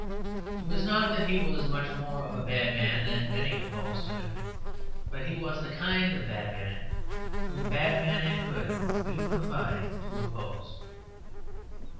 It was not that he was much more of a bad man than many opposed to him, but he was the kind of bad man whom bad men and good do combine to oppose.